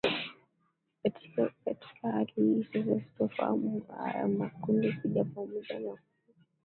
katika katika hali hii sasa ya sitofahamu haya makundi kuja pamoja na ku